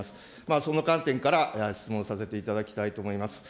その観点から、質問させていただきたいと思います。